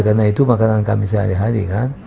karena itu makanan kami sehari hari kan